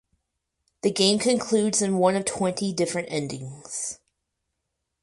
The game concludes in one of twenty different endings.